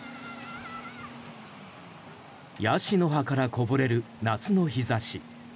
ヤシの葉からこぼれる夏の日差し。